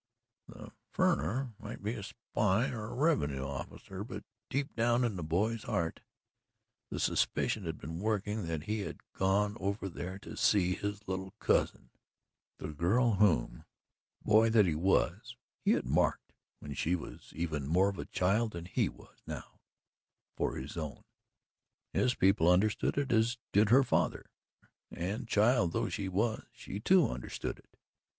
The "furriner" might be a spy or a revenue officer, but deep down in the boy's heart the suspicion had been working that he had gone over there to see his little cousin the girl whom, boy that he was, he had marked, when she was even more of a child than she was now, for his own. His people understood it as did her father, and, child though she was, she, too, understood it.